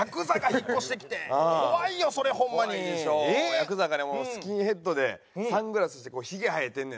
ヤクザがねスキンヘッドでサングラスしてこうひげ生えてんねんな。